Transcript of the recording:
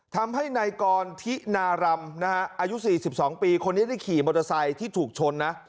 ทำให้นายกรทินารำนะฮะอายุ๔๒ปีคนนี้ได้ขี่มอเตอร์ไซค์ที่ถูกชนนะ